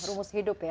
rumus hidup ya